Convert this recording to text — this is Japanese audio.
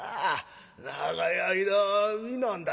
長い間見なんだ。